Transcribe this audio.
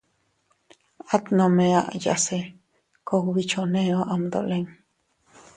At nome aʼaya se kugbi choneo am dolin.